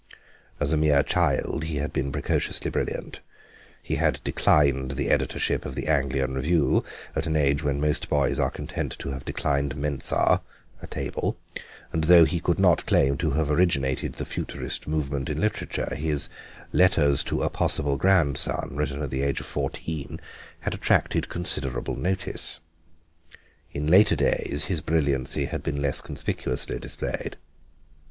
As a mere child he had been precociously brilliant; he had declined the editorship of the Anglian Review at an age when most boys are content to have declined mensa, a table, and though he could not claim to have originated the Futurist movement in literature, his "Letters to a possible Grandson," written at the age of fourteen, had attracted considerable notice. In later days his brilliancy had been less conspicuously displayed.